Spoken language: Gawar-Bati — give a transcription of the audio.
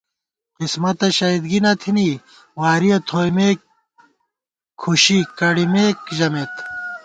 قِسمَتہ شہیدگی نہ تھنی وارِیَہ تھوئیمېک کھُشی کڑِمېک ژمېت